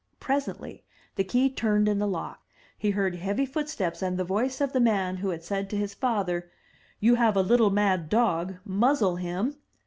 Presently the key turned in the lock, he heard heavy foot steps and the voice of the man who had said to his father, "You have a little mad dog; muzzle him!"